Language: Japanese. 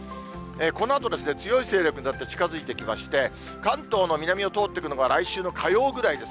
このあと、強い勢力になって近づいてきまして、関東の南を通っていくのが来週の火曜ぐらいです。